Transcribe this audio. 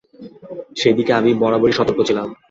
সেদিকে আমি বরাবরই সতর্ক ছিলাম।